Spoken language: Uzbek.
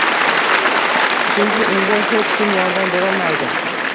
Chunki unga hech kim yordam berolmaydi.